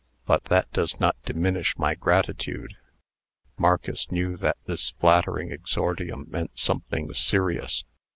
But that does not diminish my gratitude." Marcus knew that this flattering exordium meant something serious.